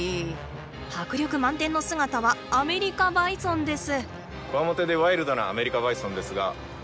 迫力満点の姿はアメリカバイソンです。